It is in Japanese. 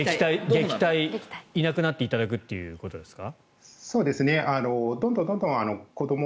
撃退、いなくなっていただくということですか。